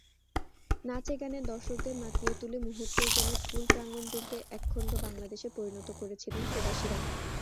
নাচে-গানে দর্শকদের মাতিয়ে তুলে মুহূর্তেই যেন স্কুল-প্রাঙ্গণটিকে একখণ্ড বাংলাদেশে পরিণত করেছিলেন প্রবাসীরা।